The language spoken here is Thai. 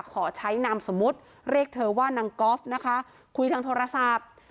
ขอใช้นามสมมุติเรียกเธอว่านางกอล์ฟนะคะคุยทางโทรศัพท์